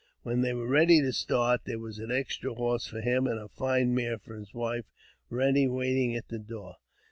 When they were ready to start, there was an extra horse for him, and a fine mare for his wife, ready waiting at the door.